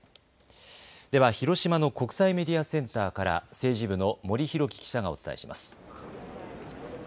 では広島の国際メディアセンターから政治部の森裕紀記者がお伝えします。